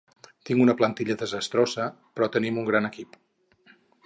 Tinc una plantilla desastrosa, però tenim un gran equip.